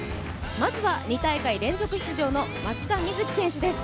まずは２大会連続出場の松田瑞生選手です。